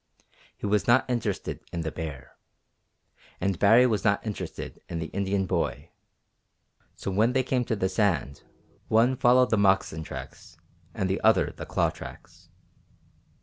He was not interested in the bear, and Baree was not interested in the Indian boy; so when they came to the sand one followed the moccasin tracks and the other the claw tracks.